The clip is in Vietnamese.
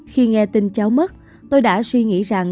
khi nghe tin cháu mất tôi đã suy nghĩ rằng